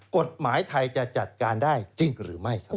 กฎหมายไทยจะจัดการได้จริงหรือไม่ครับ